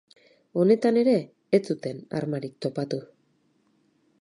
Honetan ere ez zuten armarik topatu.